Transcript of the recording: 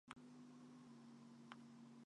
ｆｊｖｋｆ りう ｇｖｔｇ ヴ ｔｒ ヴぃ ｌ